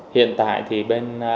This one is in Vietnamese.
hiện tại thì bên